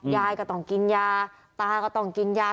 ยายก็ต้องกินยาตาก็ต้องกินยา